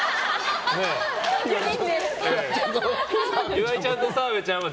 岩井ちゃんと澤部ちゃんで。